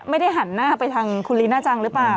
ไม่ได้หันหน้าไปทางคุณลีน่าจังหรือเปล่า